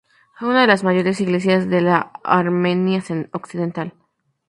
Fue una de las mayores iglesias de la Armenia occidental.